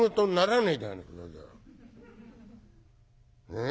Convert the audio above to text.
ねえ？